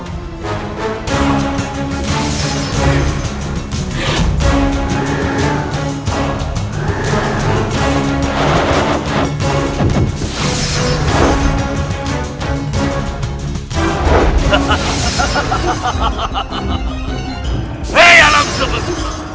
hei alam sebuah buah